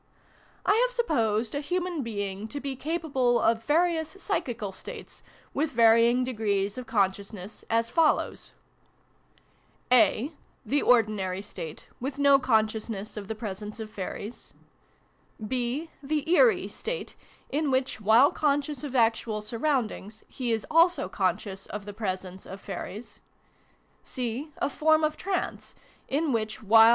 I have supposed a Human being to be capable of various psychical states, with varying degrees of consciousness, as follows : (a) the ordinary state, with no consciousness of the presence of Fairies ;(<) the ' eerie ' state, in which, while conscious of actual surroundings, he is also conscious of the pre sence of Fairies ; (c) a form of trance, in which, while